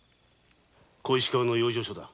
小石川養生所だ。